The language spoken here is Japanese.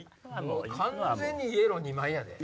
完全にイエロー２枚やで！